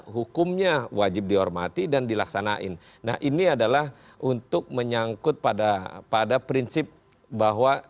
hukumnya wajib dihormati dan dilaksanakan nah ini adalah untuk menyangkut pada pada prinsip bahwa